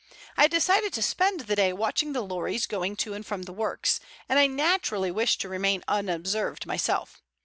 I had decided to spend the day watching the lorries going to and from the works, and I naturally wished to remain unobserved myself.